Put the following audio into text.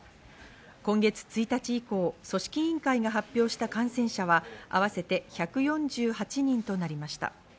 今月１日以降、組織委員会が発表した感染者は合わせて１４８人となりました。